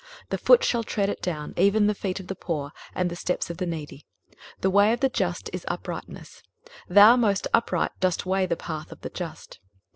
23:026:006 The foot shall tread it down, even the feet of the poor, and the steps of the needy. 23:026:007 The way of the just is uprightness: thou, most upright, dost weigh the path of the just.